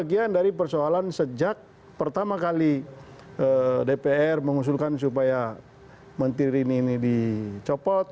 jadi persoalan sejak pertama kali dpr mengusulkan supaya menteri rini ini dicopot